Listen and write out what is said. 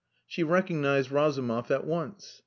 She recognized Razumov at once.